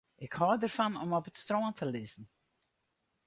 Ik hâld derfan om op it strân te lizzen.